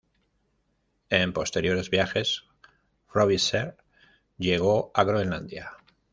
En posteriores viajes, Frobisher llegó a Groenlandia.